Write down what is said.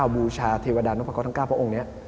บูชาเทวดานพระคอร์ทั้ง๙เพราะองค์นี้